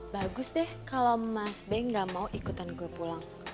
bagus deh kalau mas bey gak mau ikutan gue pulang